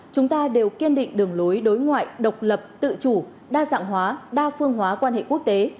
chúng ta đều kiên định đường lối đối ngoại độc lập tự chủ đa dạng hóa đa phương hóa quan hệ quốc tế